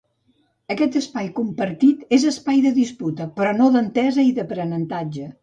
Aquest terreny compartit és espai de disputa, però no d'entesa i d'aprenentatge.